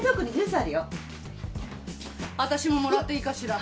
私ももらっていいかしら？